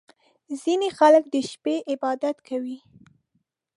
• ځینې خلک د شپې عبادت کوي.